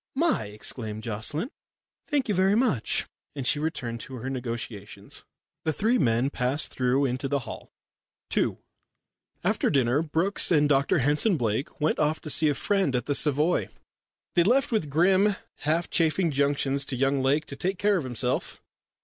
"My!" exclaimed Miss Jocelyn. "Thank you vurry much," and she returned to her negotiations. The three men passed through into the hall. II After dinner, Brookes and Dr Henson Blake went off to see a friend at the Savoy. They left with grim half chaffing injunctions to young Lake to take care of himself.